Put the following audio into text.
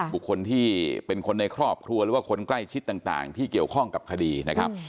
บุคคลที่เป็นคนในครอบครัวหรือว่าคนใกล้ชิดต่างที่เกี่ยวข้องกับคดีนะครับ